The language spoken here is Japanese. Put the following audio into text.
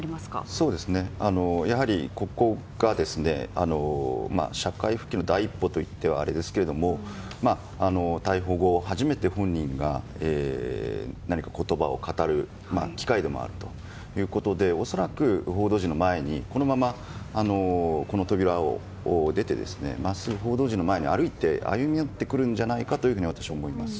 やはり、ここが社会復帰の第一歩と言ってはあれですが逮捕後、初めて本人が何か言葉を語る機会でもあるということで恐らくこのままこの扉を出てまっすぐ報道陣の前に歩いて歩み寄ってくるんじゃないかと私は思います。